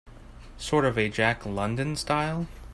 Sort of a Jack London style?